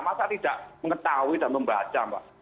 masa tidak mengetahui dan membaca mbak